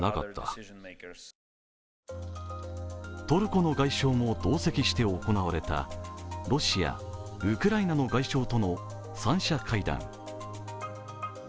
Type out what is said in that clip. トルコの外相も同席して行われたロシア、ウクライナの外相との三者会談。